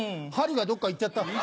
針がどっか行っちゃった。